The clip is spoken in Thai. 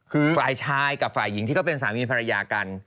คือฝ่ายชายกับฝ่ายหญิงที่เขาเป็นสามีภรรยากัน